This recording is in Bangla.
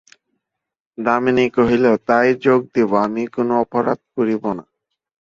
দামিনী কহিল, তাই যোগ দিব, আমি কোনো অপরাধ করিব না।